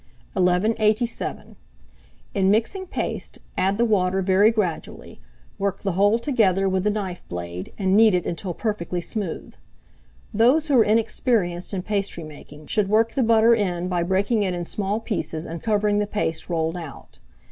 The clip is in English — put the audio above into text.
[Illustration: PASTE BOARD AND ROLLING PIN.] 1187. In mixing paste, add the water very gradually, work the whole together with the knife blade, and knead it until perfectly smooth. Those who are inexperienced in pastry making, should work the butter in by breaking it in small pieces and covering the paste rolled out.